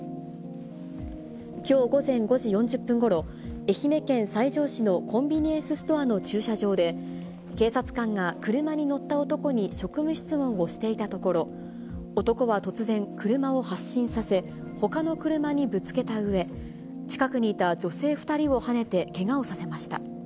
きょう午前５時４０分ごろ、愛媛県西条市のコンビニエンスストアの駐車場で、警察官が車に乗った男に職務質問をしていたところ、男は突然、車を発進させ、ほかの車にぶつけたうえ、近くにいた女性２人をはねて、けがをさせました。